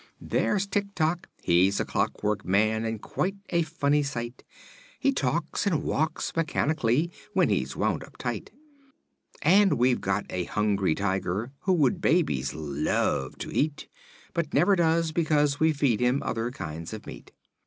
There's Tik Tok he's a clockwork man and quite a funny sight He talks and walks mechanically, when he's wound up tight; And we've a Hungry Tiger who would babies love to eat But never does because we feed him other kinds of meat.